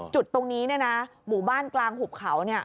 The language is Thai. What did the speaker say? จุดตรงนี้เนี่ยนะหมู่บ้านกลางหุบเขาเนี่ย